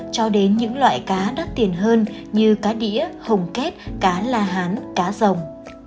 cho đến những loại cá đắt tiền hơn như cá đĩa hồng kết cá là hán cá rồng